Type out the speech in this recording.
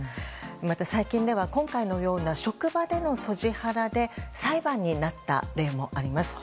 また、最近では今回のような職場でのＳＯＧＩハラで裁判になった例もあります。